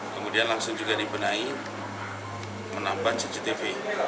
kemudian langsung juga dibenahi menambah cctv